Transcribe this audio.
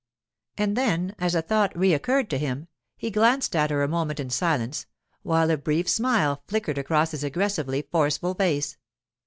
And then, as a thought re occurred to him, he glanced at her a moment in silence, while a brief smile flickered across his aggressively forceful face.